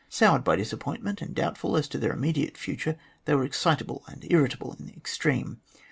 Soured by disappointment, and doubtful as to their immediate future they were excitable and irritable in the extreme.